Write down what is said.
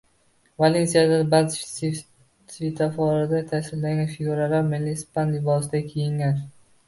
Valensiyada ba’zi svetoforlarda tasvirlangan figuralar milliy ispan libosida kiyingan